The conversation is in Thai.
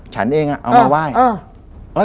ฉันเองเอามาไหว้